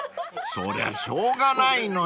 ［そりゃしょうがないのよ］